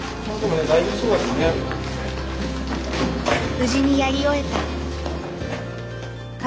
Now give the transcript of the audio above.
無事にやり終えた。